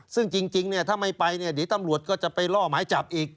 ซึ่งจริงเนี่ยถ้าไม่ไปเนี่ยเดี๋ยวตำรวจก็จะไปล่อหมายจับอีก